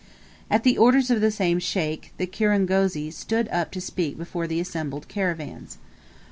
At the orders of the same Sheikh, the kirangozi stood up to speak before the assembled caravans.